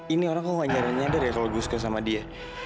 ini orang kok gak nyadar nyadar ya kalau gue suka sama dia